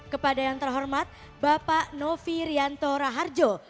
kepada yang terhormat bapak novi rianto raharjo